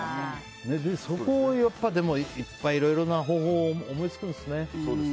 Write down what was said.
そこをいっぱいいろいろな方位を思いつくんですね。